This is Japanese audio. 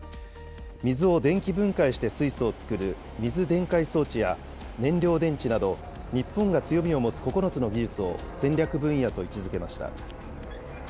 水を電気分解して水素を作る水電解装置や、燃料電池など、日本が強みを持つ９つの技術を戦略分野と位置づけました。